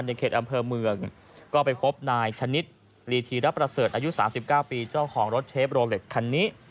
ในเขตอำเภอเมืองก็ไปพบนายชนิดลีธีระประเสริฐอายุ๓๙ปีเจ้าของรถเชฟโรเล็ตคันนี้